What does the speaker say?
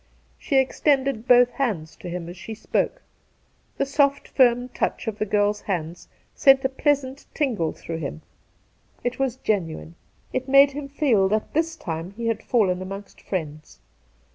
She extended both hands to him as she spoke. The soft firm touch of the girl's hands sent a pleasant tingle through him. It was genuine. It made him feel that this time he had fallen amongst friends.